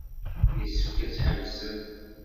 Yessefk ad tḥebsemt.